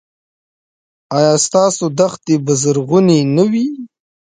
ایا ستاسو دښتې به زرغونې نه وي؟